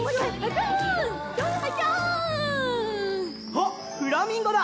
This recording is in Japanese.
あっフラミンゴだ！